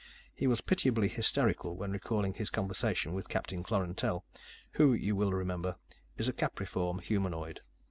He was pitiably hysterical when recalling his conversation with Captain Klorantel, who, you will remember, is a capriform humanoid.